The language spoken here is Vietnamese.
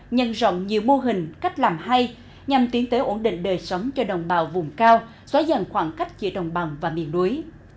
nhân rộng nhiều mô hình cách làm hay nhằm tiến tới ổn định đời sống cho đồng bào vùng cao xóa dần khoảng cách giữa đồng bằng và miền núi